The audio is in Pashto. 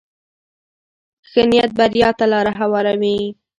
ښه نیت بریا ته لاره هواروي.